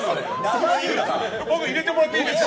僕、入れてもらってもいいですか。